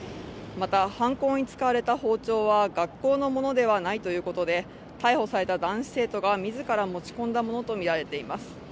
また、犯行に使われた包丁は学校のものではないということで逮捕された男子生徒が自ら持ち込んだものとみられています。